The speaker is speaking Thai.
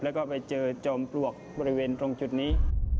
แล้วก็ไปเจอจอมปลวกบริเวณตรงจุดนี้